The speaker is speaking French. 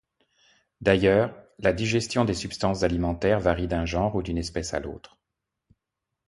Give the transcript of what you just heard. D’ailleurs, la digestion des substances alimentaires varie d’un genre ou d’une espèce à l’autre.